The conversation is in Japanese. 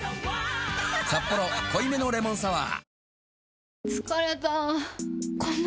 「サッポロ濃いめのレモンサワー」